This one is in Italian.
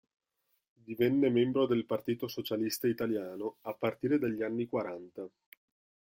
Divenne membro del Partito Socialista Italiano a partire dagli anni quaranta.